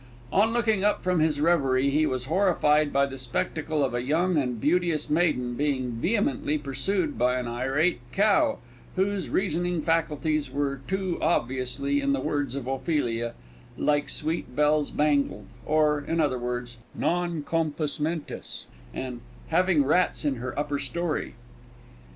On looking up from his reverie, he was horrified by the spectacle of a young and beauteous maiden being vehemently pursued by an irate cow, whose reasoning faculties were too obviously, in the words of Ophelia, "like sweet bells bangled," or, in other words, non compos mentis, and having rats in her upper story!